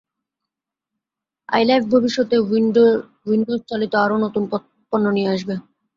ILife ভবিষ্যতে উইন্ডোজচালিত আরও নতুন পণ্য নিয়ে আসবে।